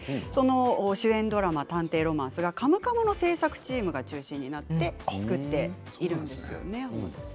主演ドラマ「探偵ロマンス」は「カムカムエヴリバディ」の制作チームが中心になって作っているんですよね。